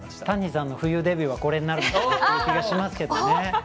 谷さんの冬デビューはこれになる気がしますけどね。